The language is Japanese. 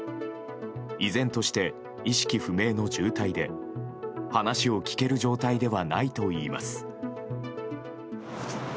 依然として意識不明の重体で話を聞ける状態ではないといいます。